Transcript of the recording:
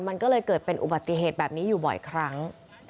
มันก็เลยเกิดเป็นอุบัติเหตุแบบนี้อยู่บ่อยครั้ง